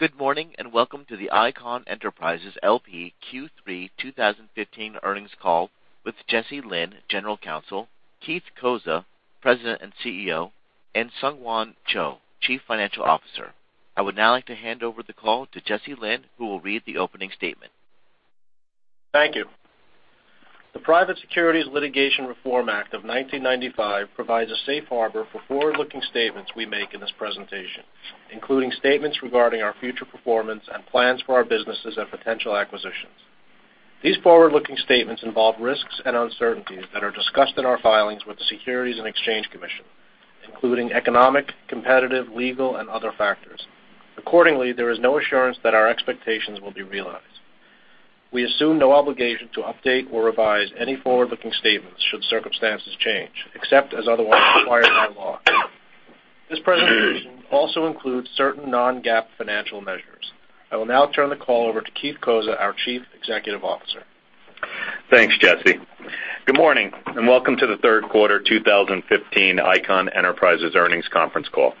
Good morning, and welcome to the Icahn Enterprises L.P. Q3 2015 earnings call with Jesse Lynn, General Counsel, Keith Cozza, President and Chief Executive Officer, and SungHwan Cho, Chief Financial Officer. I would now like to hand over the call to Jesse Lynn, who will read the opening statement. Thank you. The Private Securities Litigation Reform Act of 1995 provides a safe harbor for forward-looking statements we make in this presentation, including statements regarding our future performance and plans for our businesses and potential acquisitions. These forward-looking statements involve risks and uncertainties that are discussed in our filings with the Securities and Exchange Commission, including economic, competitive, legal, and other factors. Accordingly, there is no assurance that our expectations will be realized. We assume no obligation to update or revise any forward-looking statements should circumstances change, except as otherwise required by law. This presentation also includes certain non-GAAP financial measures. I will now turn the call over to Keith Cozza, our Chief Executive Officer. Thanks, Jesse. Good morning, and welcome to the third quarter 2015 Icahn Enterprises earnings conference call.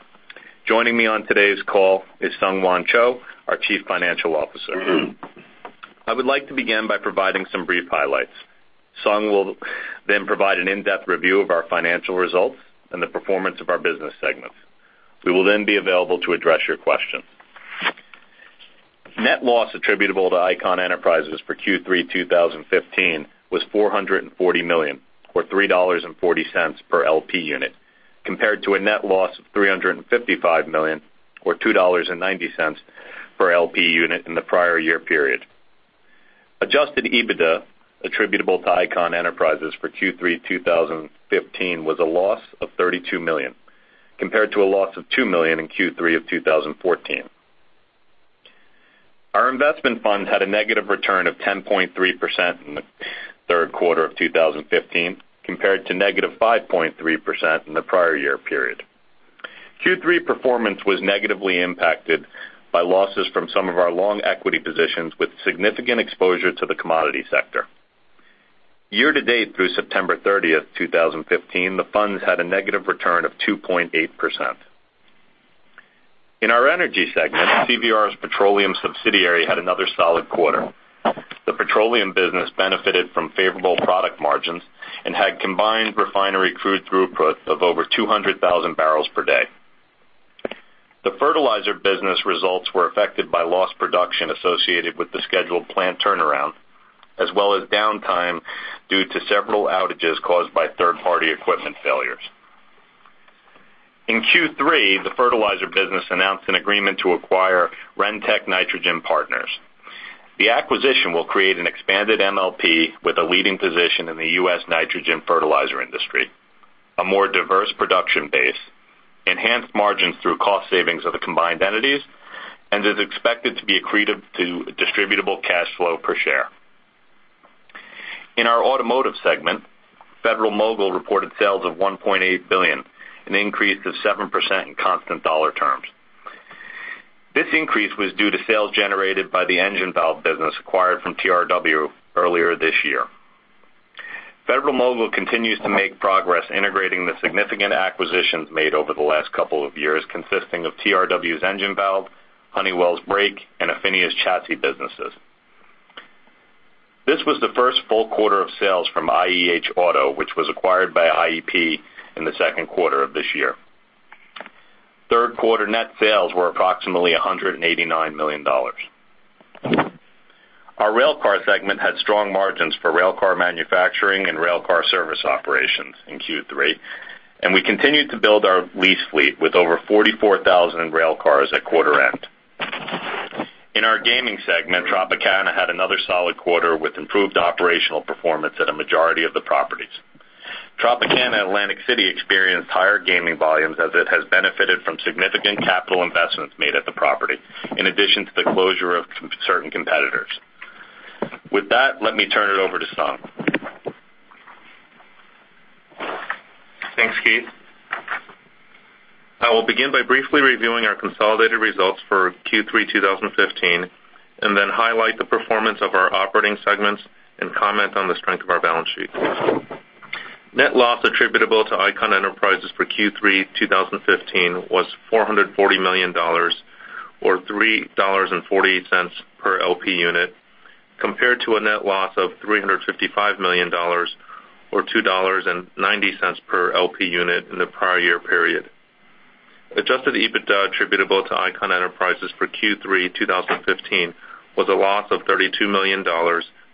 Joining me on today's call is SungHwan Cho, our Chief Financial Officer. I would like to begin by providing some brief highlights. Sung will then provide an in-depth review of our financial results and the performance of our business segments. We will then be available to address your questions. Net loss attributable to Icahn Enterprises for Q3 2015 was $440 million, or $3.40 per LP unit, compared to a net loss of $355 million, or $2.90 per LP unit in the prior year period. Adjusted EBITDA attributable to Icahn Enterprises for Q3 2015 was a loss of $32 million, compared to a loss of $2 million in Q3 of 2014. Our investment fund had a negative return of 10.3% in the third quarter of 2015, compared to negative 5.3% in the prior year period. Q3 performance was negatively impacted by losses from some of our long equity positions with significant exposure to the commodity sector. Year-to-date through September 30th, 2015, the funds had a negative return of 2.8%. In our energy segment, CVR's petroleum subsidiary had another solid quarter. The petroleum business benefited from favorable product margins and had combined refinery crude throughput of over 200,000 barrels per day. The fertilizer business results were affected by lost production associated with the scheduled plant turnaround, as well as downtime due to several outages caused by third-party equipment failures. In Q3, the fertilizer business announced an agreement to acquire Rentech Nitrogen Partners. The acquisition will create an expanded MLP with a leading position in the U.S. nitrogen fertilizer industry, a more diverse production base, enhanced margins through cost savings of the combined entities, and is expected to be accretive to distributable cash flow per share. In our automotive segment, Federal-Mogul reported sales of $1.8 billion, an increase of 7% in constant dollar terms. This increase was due to sales generated by the engine valve business acquired from TRW earlier this year. Federal-Mogul continues to make progress integrating the significant acquisitions made over the last couple of years, consisting of TRW's engine valve, Honeywell's brake, and Affinia's chassis businesses. This was the first full quarter of sales from IEH Auto, which was acquired by IEP in the second quarter of this year. Third-quarter net sales were approximately $189 million. Our rail car segment had strong margins for rail car manufacturing and rail car service operations in Q3, and we continued to build our lease fleet with over 44,000 rail cars at quarter end. In our gaming segment, Tropicana had another solid quarter with improved operational performance at a majority of the properties. Tropicana Atlantic City experienced higher gaming volumes as it has benefited from significant capital investments made at the property, in addition to the closure of certain competitors. With that, let me turn it over to Sung. Thanks, Keith. I will begin by briefly reviewing our consolidated results for Q3 2015 and then highlight the performance of our operating segments and comment on the strength of our balance sheet. Net loss attributable to Icahn Enterprises for Q3 2015 was $440 million, or $3.40 per LP unit, compared to a net loss of $355 million, or $2.90 per LP unit in the prior year period. Adjusted EBITDA attributable to Icahn Enterprises for Q3 2015 was a loss of $32 million,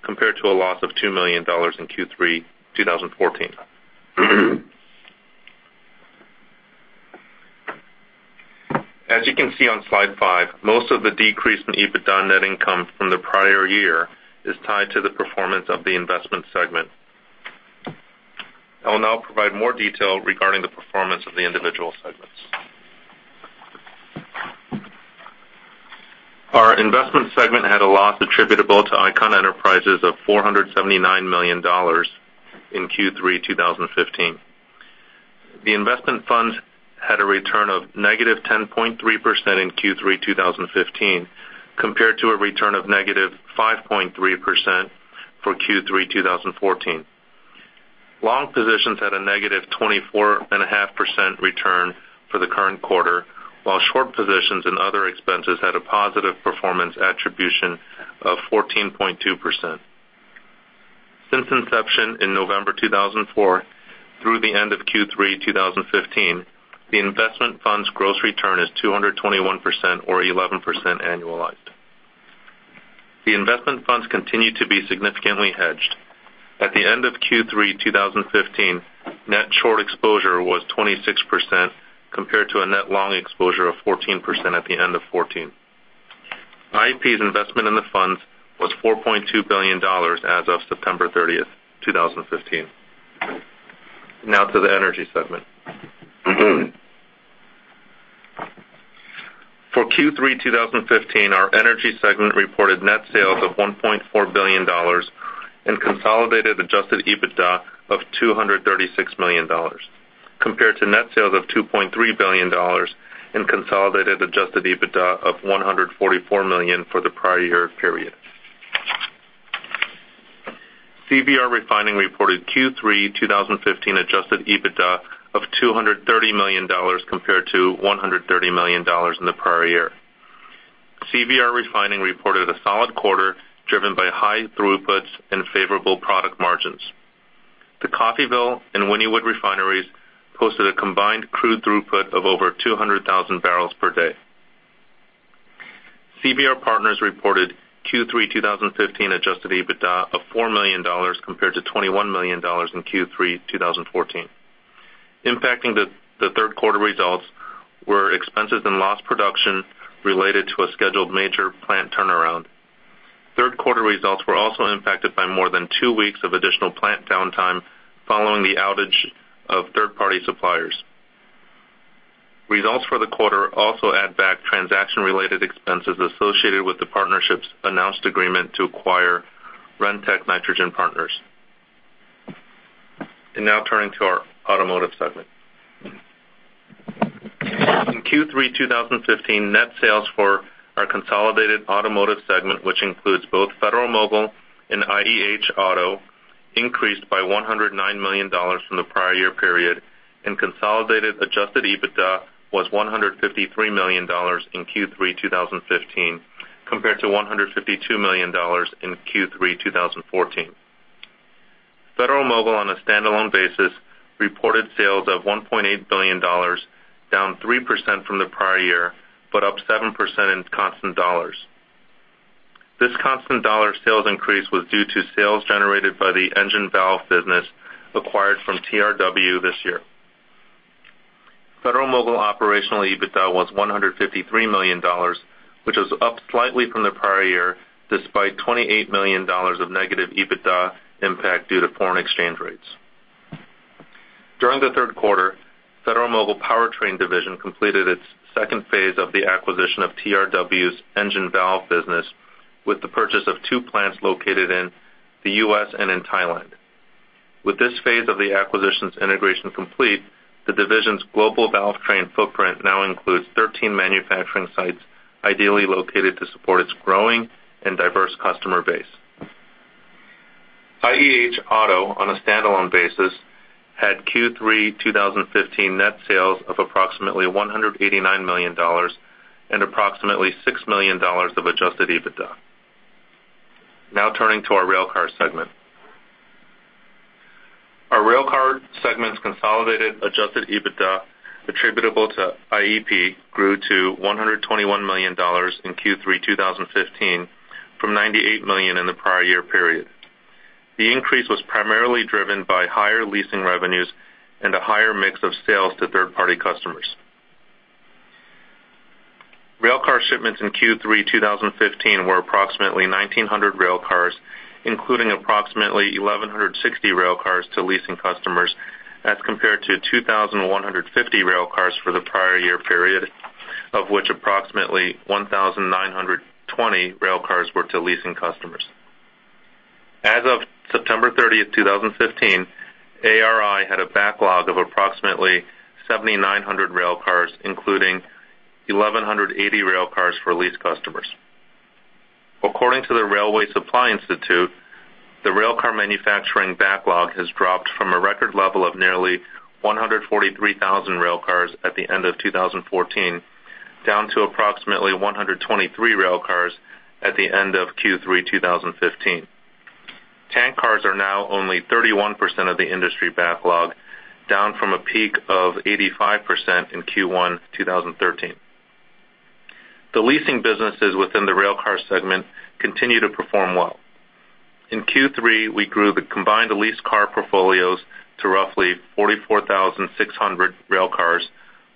compared to a loss of $2 million in Q3 2014. As you can see on slide five, most of the decrease in EBITDA net income from the prior year is tied to the performance of the investment segment. I will now provide more detail regarding the performance of the individual segments. Our investment segment had a loss attributable to Icahn Enterprises of $479 million in Q3 2015. The investment funds had a return of negative 10.3% in Q3 2015, compared to a return of negative 5.3% for Q3 2014. Long positions had a negative 24.5% return for the current quarter, while short positions and other expenses had a positive performance attribution of 14.2%. Since inception in November 2004 through the end of Q3 2015, the investment fund's gross return is 221% or 11% annualized. The investment funds continue to be significantly hedged. At the end of Q3 2015, net short exposure was 26%, compared to a net long exposure of 14% at the end of 2014. IEP's investment in the funds was $4.2 billion as of September 30, 2015. Now to the energy segment. For Q3 2015, our energy segment reported net sales of $1.4 billion and consolidated adjusted EBITDA of $236 million, compared to net sales of $2.3 billion and consolidated adjusted EBITDA of $144 million for the prior year period. CVR Refining reported Q3 2015 adjusted EBITDA of $230 million compared to $130 million in the prior year. CVR Refining reported a solid quarter driven by high throughputs and favorable product margins. The Coffeyville and Wynnewood refineries posted a combined crude throughput of over 200,000 barrels per day. CVR Partners reported Q3 2015 adjusted EBITDA of $4 million compared to $21 million in Q3 2014. Impacting the third quarter results were expenses and loss production related to a scheduled major plant turnaround. Third quarter results were also impacted by more than two weeks of additional plant downtime following the outage of third-party suppliers. Results for the quarter also add back transaction-related expenses associated with the partnership's announced agreement to acquire Rentech Nitrogen Partners. Now turning to our automotive segment. In Q3 2015, net sales for our consolidated automotive segment, which includes both Federal-Mogul and IEH Auto, increased by $109 million from the prior year period, and consolidated adjusted EBITDA was $153 million in Q3 2015 compared to $152 million in Q3 2014. Federal-Mogul, on a standalone basis, reported sales of $1.8 billion, down 3% from the prior year, but up 7% in constant dollars. This constant dollar sales increase was due to sales generated by the engine valve business acquired from TRW this year. Federal-Mogul operational EBITDA was $153 million, which was up slightly from the prior year, despite $28 million of negative EBITDA impact due to foreign exchange rates. During the third quarter, Federal-Mogul Powertrain division completed its second phase of the acquisition of TRW's engine valve business with the purchase of two plants located in the U.S. and in Thailand. With this phase of the acquisition's integration complete, the division's global valve train footprint now includes 13 manufacturing sites ideally located to support its growing and diverse customer base. IEH Auto, on a standalone basis, had Q3 2015 net sales of approximately $189 million and approximately $6 million of adjusted EBITDA. Turning to our railcar segment. Our railcar segment's consolidated adjusted EBITDA attributable to IEP grew to $121 million in Q3 2015 from $98 million in the prior year period. The increase was primarily driven by higher leasing revenues and a higher mix of sales to third-party customers. Railcar shipments in Q3 2015 were approximately 1,900 railcars, including approximately 1,160 railcars to leasing customers, as compared to 2,150 railcars for the prior year period, of which approximately 1,920 railcars were to leasing customers. As of September 30, 2015, ARI had a backlog of approximately 7,900 railcars, including 1,180 railcars for lease customers. According to the Railway Supply Institute, the railcar manufacturing backlog has dropped from a record level of nearly 143,000 railcars at the end of 2014, down to approximately 123 railcars at the end of Q3 2015. Tank cars are now only 31% of the industry backlog, down from a peak of 85% in Q1 2013. The leasing businesses within the railcar segment continue to perform well. In Q3, we grew the combined lease car portfolios to roughly 44,600 railcars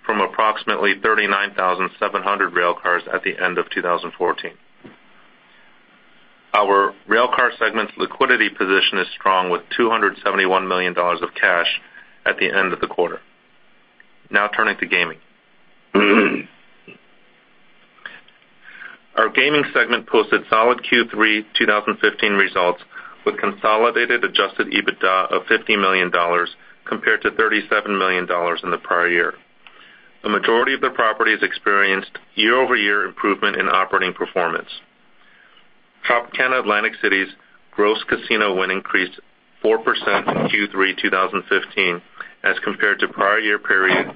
from approximately 39,700 railcars at the end of 2014. Our railcar segment's liquidity position is strong, with $271 million of cash at the end of the quarter. Now turning to gaming. Our gaming segment posted solid Q3 2015 results with consolidated adjusted EBITDA of $50 million, compared to $37 million in the prior year. A majority of the properties experienced year-over-year improvement in operating performance. Tropicana Atlantic City's gross casino win increased 4% in Q3 2015 as compared to prior year period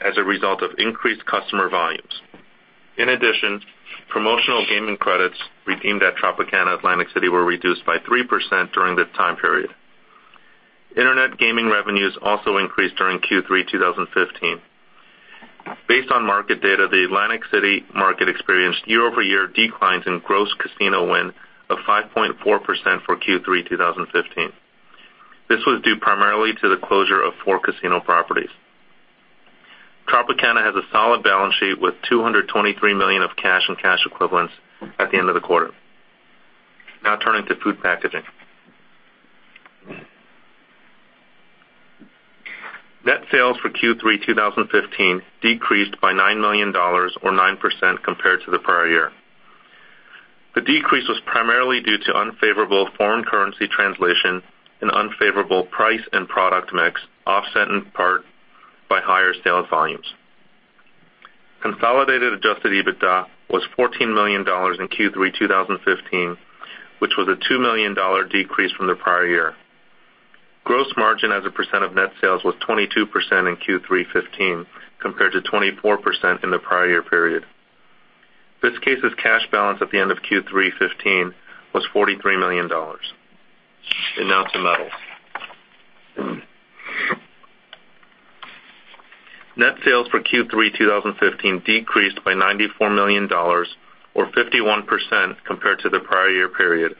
as a result of increased customer volumes. Promotional gaming credits redeemed at Tropicana Atlantic City were reduced by 3% during this time period. Internet gaming revenues also increased during Q3 2015. Based on market data, the Atlantic City market experienced year-over-year declines in gross casino win of 5.4% for Q3 2015. This was due primarily to the closure of four casino properties. Tropicana has a solid balance sheet with $223 million of cash and cash equivalents at the end of the quarter. Now turning to food packaging. Net sales for Q3 2015 decreased by $9 million or 9% compared to the prior year. The decrease was primarily due to unfavorable foreign currency translation and unfavorable price and product mix, offset in part by higher sales volumes. Consolidated adjusted EBITDA was $14 million in Q3 2015, which was a $2 million decrease from the prior year. Gross margin as a percent of net sales was 22% in Q3 '15 compared to 24% in the prior year period. Viskase's cash balance at the end of Q3 '15 was $43 million. Now to metals. Net sales for Q3 2015 decreased by $94 million or 51% compared to the prior year period.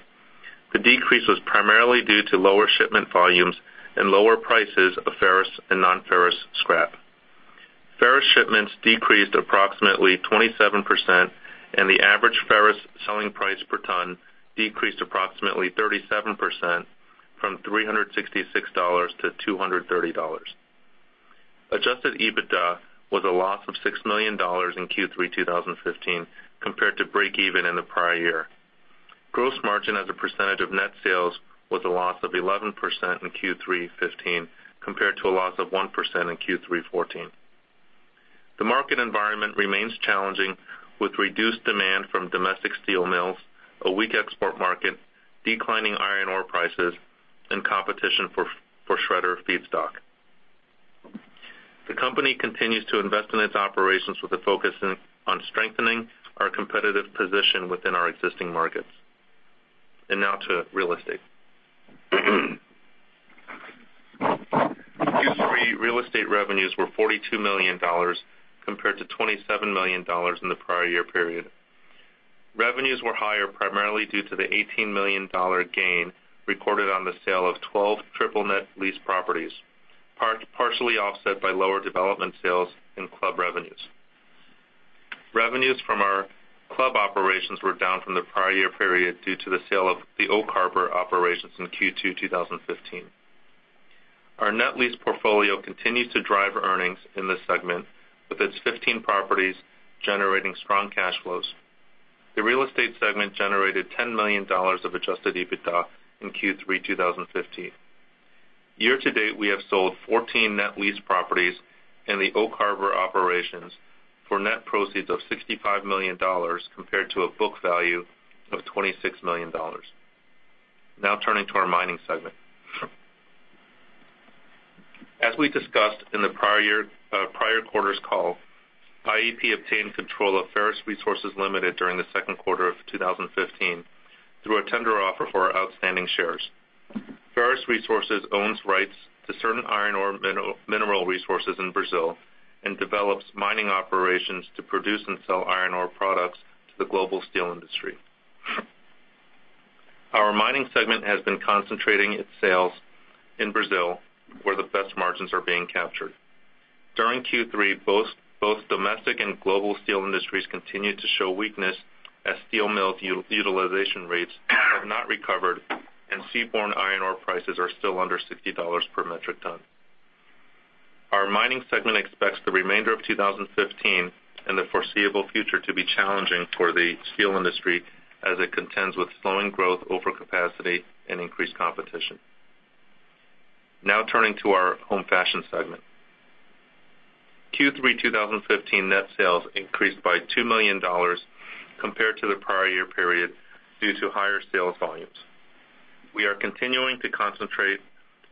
The decrease was primarily due to lower shipment volumes and lower prices of ferrous and non-ferrous scrap. Ferrous shipments decreased approximately 27%, and the average ferrous selling price per ton decreased approximately 37% from $366 to $230. Adjusted EBITDA was a loss of $6 million in Q3 2015 compared to breakeven in the prior year. Gross margin as a percentage of net sales was a loss of 11% in Q3 '15 compared to a loss of 1% in Q3 '14. The market environment remains challenging with reduced demand from domestic steel mills, a weak export market, declining iron ore prices, and competition for shredder feedstock. The company continues to invest in its operations with a focus on strengthening our competitive position within our existing markets. Now to real estate. Q3 real estate revenues were $42 million compared to $27 million in the prior year period. Revenues were higher primarily due to the $18 million gain recorded on the sale of 12 triple net lease properties, partially offset by lower development sales and club revenues. Revenues from our club operations were down from the prior year period due to the sale of the Oak Harbor operations in Q2 2015. Our net lease portfolio continues to drive earnings in this segment, with its 15 properties generating strong cash flows. The real estate segment generated $10 million of adjusted EBITDA in Q3 2015. Year to date, we have sold 14 net lease properties and the Oak Harbor operations for net proceeds of $65 million compared to a book value of $26 million. Now turning to our mining segment. As we discussed in the prior quarter's call, IEP obtained control of Ferrous Resources Limited during the second quarter of 2015 through a tender offer for our outstanding shares. Ferrous Resources owns rights to certain iron ore mineral resources in Brazil and develops mining operations to produce and sell iron ore products to the global steel industry. Our mining segment has been concentrating its sales in Brazil, where the best margins are being captured. During Q3, both domestic and global steel industries continued to show weakness as steel mill utilization rates have not recovered, and seaborne iron ore prices are still under $60 per metric ton. Our mining segment expects the remainder of 2015 and the foreseeable future to be challenging for the steel industry as it contends with slowing growth over capacity and increased competition. Now turning to our home fashion segment. Q3 2015 net sales increased by $2 million compared to the prior year period due to higher sales volumes. We are continuing to concentrate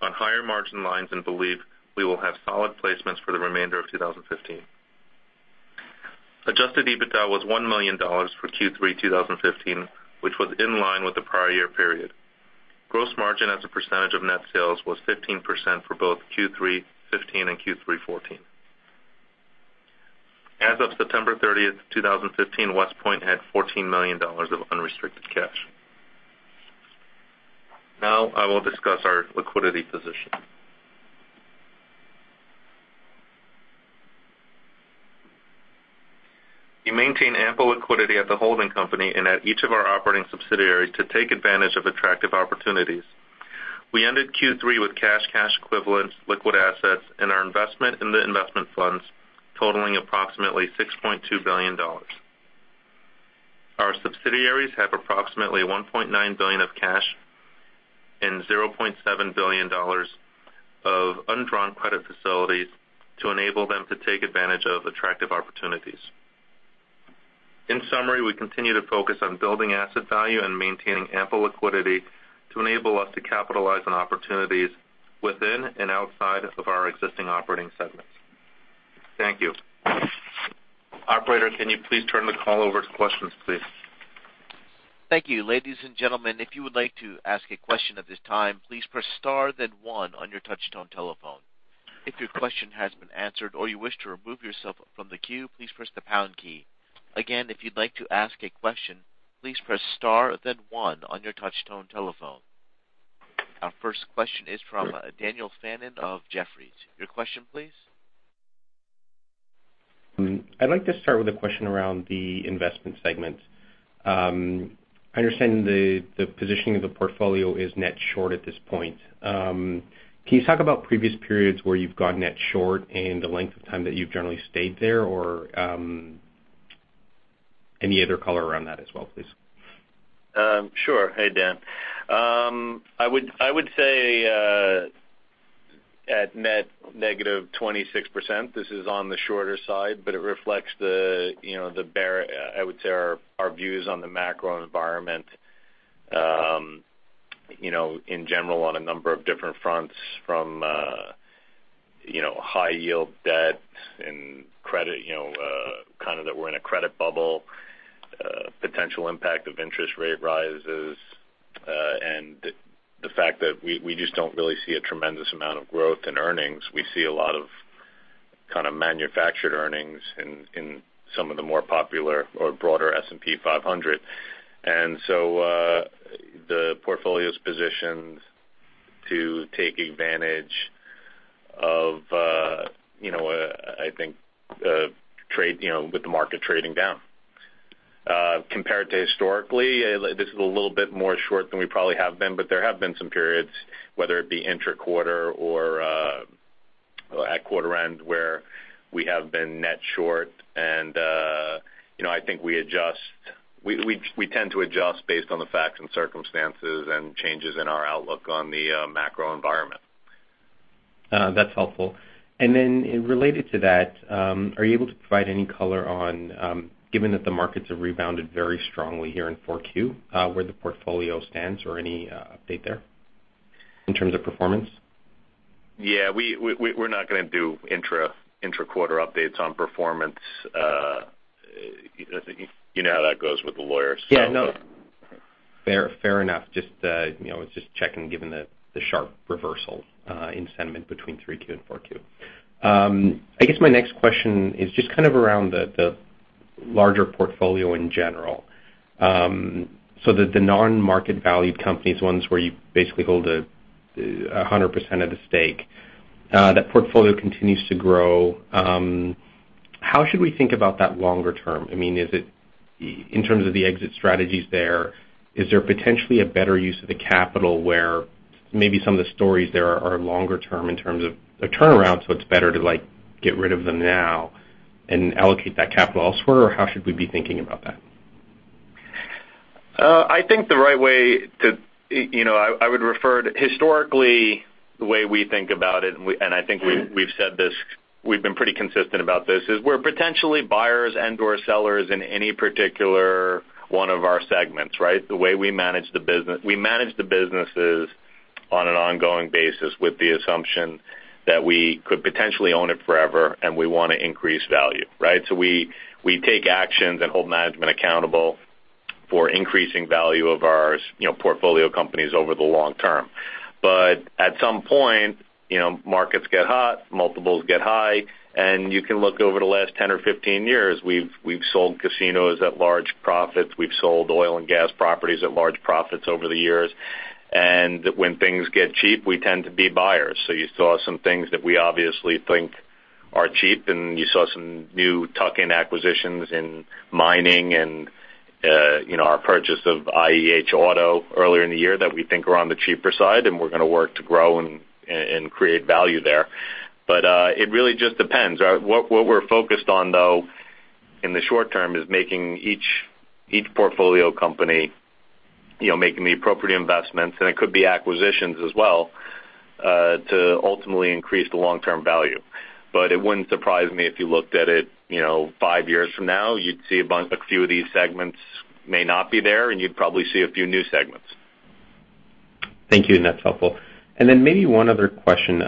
on higher margin lines and believe we will have solid placements for the remainder of 2015. Adjusted EBITDA was $1 million for Q3 2015, which was in line with the prior year period. Gross margin as a percentage of net sales was 15% for both Q3 '15 and Q3 '14. As of September 30th, 2015, WestPoint had $14 million of unrestricted cash. Now I will discuss our liquidity position. We maintain ample liquidity at the holding company and at each of our operating subsidiaries to take advantage of attractive opportunities. We ended Q3 with cash equivalents, liquid assets, and our investment in the investment funds totaling approximately $6.2 billion. Our subsidiaries have approximately $1.9 billion of cash $0.7 billion of undrawn credit facilities to enable them to take advantage of attractive opportunities. In summary, we continue to focus on building asset value and maintaining ample liquidity to enable us to capitalize on opportunities within and outside of our existing operating segments. Thank you. Operator, can you please turn the call over to questions, please? Thank you. Ladies and gentlemen, if you would like to ask a question at this time, please press star, then one on your touch-tone telephone. If your question has been answered or you wish to remove yourself from the queue, please press the pound key. Again, if you'd like to ask a question, please press star, then one on your touch-tone telephone. Our first question is from Daniel Fannon of Jefferies. Your question please. I'd like to start with a question around the investment segment. I understand the positioning of the portfolio is net short at this point. Can you talk about previous periods where you've gone net short and the length of time that you've generally stayed there, or any other color around that as well, please? Sure. Hey, Dan. I would say at net negative 26%, this is on the shorter side, but it reflects I would say our views on the macro environment in general on a number of different fronts from high yield debt and credit, that we're in a credit bubble, potential impact of interest rate rises, and the fact that we just don't really see a tremendous amount of growth in earnings. We see a lot of kind of manufactured earnings in some of the more popular or broader S&P 500. The portfolio's positioned to take advantage of I think with the market trading down. Compared to historically, this is a little bit more short than we probably have been, but there have been some periods, whether it be intra-quarter or at quarter end, where we have been net short, and I think we tend to adjust based on the facts and circumstances and changes in our outlook on the macro environment. That's helpful. Related to that, are you able to provide any color on, given that the markets have rebounded very strongly here in 4Q, where the portfolio stands or any update there in terms of performance? Yeah. We're not going to do intra-quarter updates on performance. You know how that goes with the lawyers, so. Yeah. No. Fair enough. I was just checking, given the sharp reversal in sentiment between 3Q and 4Q. I guess my next question is just around the larger portfolio in general. The non-market valued companies, ones where you basically hold 100% of the stake, that portfolio continues to grow. How should we think about that longer term? In terms of the exit strategies there, is there potentially a better use of the capital where maybe some of the stories there are longer term in terms of the turnaround, so it's better to get rid of them now and allocate that capital elsewhere, or how should we be thinking about that? I would refer to historically the way we think about it, and I think we've been pretty consistent about this, is we're potentially buyers and/or sellers in any particular one of our segments, right? We manage the businesses on an ongoing basis with the assumption that we could potentially own it forever, and we want to increase value, right? We take actions and hold management accountable for increasing value of our portfolio companies over the long term. At some point, markets get hot, multiples get high, and you can look over the last 10 or 15 years, we've sold casinos at large profits. We've sold oil and gas properties at large profits over the years. When things get cheap, we tend to be buyers. You saw some things that we obviously think are cheap, and you saw some new tuck-in acquisitions in mining and our purchase of IEH Auto earlier in the year that we think are on the cheaper side, and we're going to work to grow and create value there. It really just depends. What we're focused on though in the short term is making each portfolio company making the appropriate investments, and it could be acquisitions as well, to ultimately increase the long-term value. It wouldn't surprise me if you looked at it five years from now, you'd see a few of these segments may not be there, and you'd probably see a few new segments. Thank you. That's helpful. Then maybe one other question.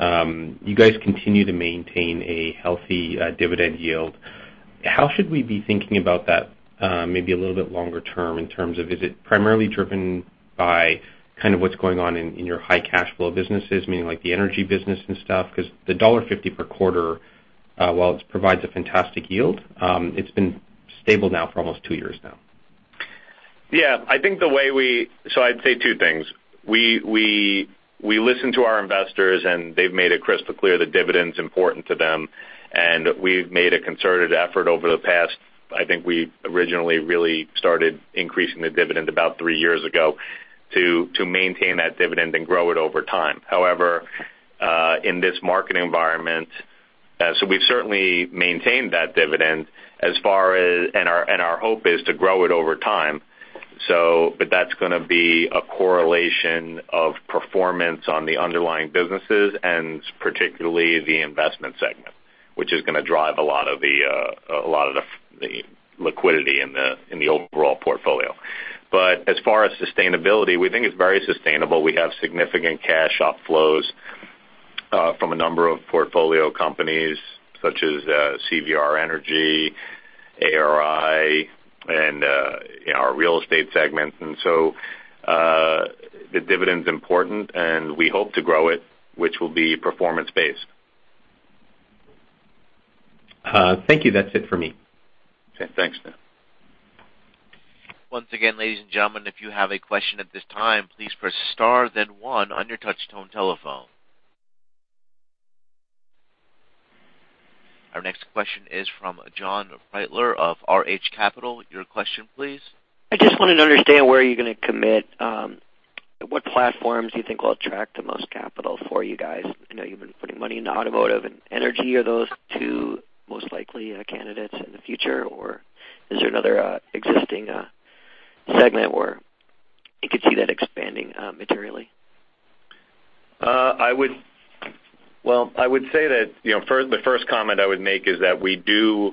You guys continue to maintain a healthy dividend yield. How should we be thinking about that maybe a little bit longer term in terms of is it primarily driven by what's going on in your high cash flow businesses, meaning like the energy business and stuff? Because the $1.50 per quarter, while it provides a fantastic yield, it's been stable now for almost two years now. I'd say two things. We listen to our investors. They've made it crystal clear that dividend's important to them. We've made a concerted effort over the past, I think we originally really started increasing the dividend about three years ago, to maintain that dividend and grow it over time. In this market environment. We've certainly maintained that dividend. Our hope is to grow it over time. That's going to be a correlation of performance on the underlying businesses and particularly the investment segment, which is going to drive a lot of the liquidity in the overall portfolio. As far as sustainability, we think it's very sustainable. We have significant cash outflows from a number of portfolio companies such as CVR Energy, ARI, and our real estate segment. The dividend's important. We hope to grow it, which will be performance-based. Thank you. That's it for me. Okay, thanks, Dan. Once again, ladies and gentlemen, if you have a question at this time, please press star then one on your touch tone telephone. Our next question is from John Reitler of RH Capital. Your question, please. I just wanted to understand where you're going to commit, what platforms you think will attract the most capital for you guys. I know you've been putting money into automotive and energy. Are those two most likely candidates in the future, or is there another existing segment where you could see that expanding materially? The first comment I would make is that we do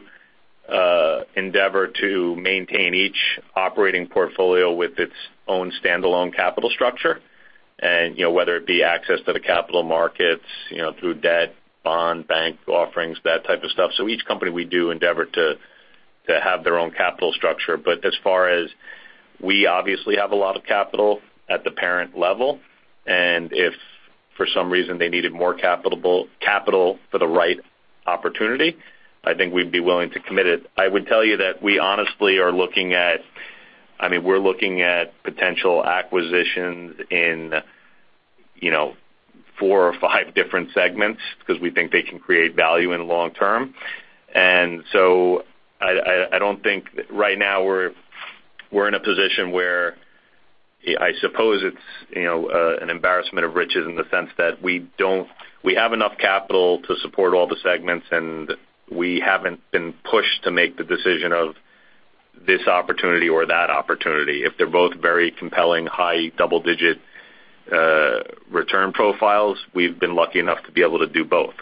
endeavor to maintain each operating portfolio with its own standalone capital structure. Whether it be access to the capital markets, through debt, bond, bank offerings, that type of stuff. Each company, we do endeavor to have their own capital structure. As far as we obviously have a lot of capital at the parent level, and if for some reason they needed more capital for the right opportunity, I think we'd be willing to commit it. I would tell you that we honestly are looking at potential acquisitions in four or five different segments because we think they can create value in the long term. I don't think right now we're in a position where I suppose it's an embarrassment of riches in the sense that we have enough capital to support all the segments, and we haven't been pushed to make the decision of this opportunity or that opportunity. If they're both very compelling, high double-digit return profiles, we've been lucky enough to be able to do both.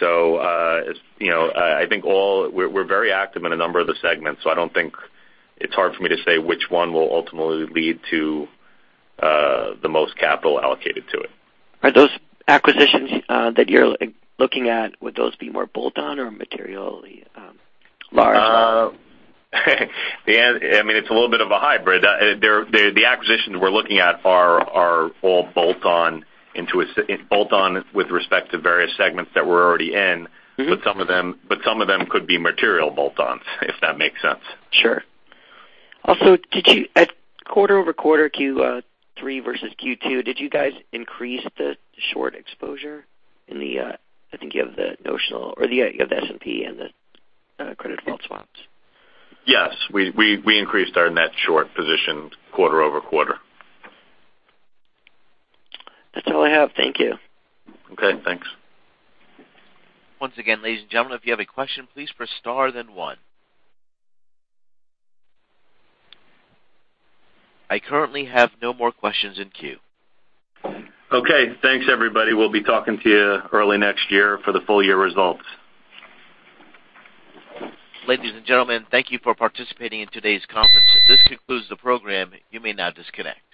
I think we're very active in a number of the segments, so it's hard for me to say which one will ultimately lead to the most capital allocated to it. Are those acquisitions that you're looking at, would those be more bolt-on or materially large? It's a little bit of a hybrid. The acquisitions we're looking at are all bolt-on with respect to various segments that we're already in. Some of them could be material bolt-ons, if that makes sense. Sure. Also, quarter-over-quarter Q3 versus Q2, did you guys increase the short exposure in the S&P and the credit default swaps? Yes, we increased our net short position quarter-over-quarter. That's all I have. Thank you. Okay, thanks. Once again, ladies and gentlemen, if you have a question, please press star then one. I currently have no more questions in queue. Okay, thanks everybody. We'll be talking to you early next year for the full year results. Ladies and gentlemen, thank you for participating in today's conference. This concludes the program. You may now disconnect. Good day.